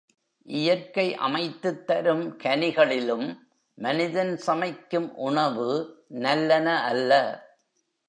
இயற்கை அமைத்துத் தரும் கனிகளிலும் மனிதன் சமைக்கும் உணவு நல்லன அல்ல.